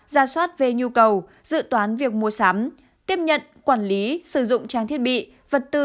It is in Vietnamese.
ra soát về nhu cầu dự toán việc mua sắm tiếp nhận quản lý sử dụng trang thiết bị vật tư